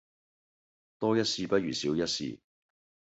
多一事不如少一事